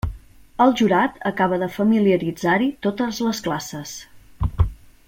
El jurat acaba de familiaritzar-hi totes les classes.